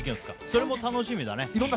それも楽しみだね。